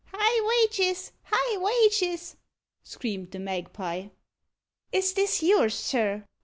"High wages! high wages!" screamed the magpie. "Is this yours, sir?"